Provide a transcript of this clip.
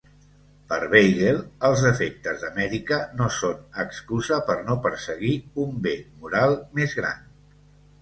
Per Weigel, els defectes d'Amèrica no són excusa per no perseguir un bé moral més gran.